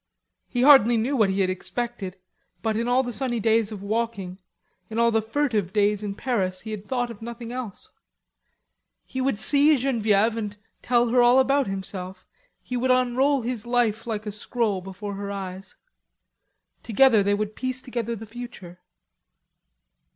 He hardly knew what he had expected, but in all the sunny days of walking, in all the furtive days in Paris, he had thought of nothing else. He would see Genevieve and tell her all about himself; he would unroll his life like a scroll before her eyes. Together they would piece together the future.